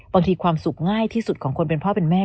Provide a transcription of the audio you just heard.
ความสุขง่ายที่สุดของคนเป็นพ่อเป็นแม่